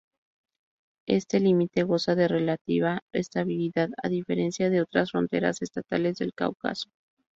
Este límite goza de relativa estabilidad, a diferencia de otras fronteras estatales del Cáucaso.